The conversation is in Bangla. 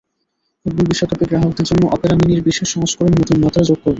ফুটবল বিশ্বকাপে গ্রাহকদের জন্য অপেরা মিনির বিশেষ সংস্করণ নতুন মাত্রা যোগ করবে।